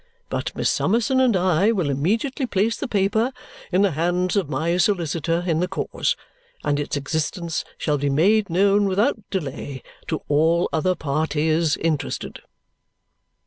But Miss Summerson and I will immediately place the paper in the hands of my solicitor in the cause, and its existence shall be made known without delay to all other parties interested."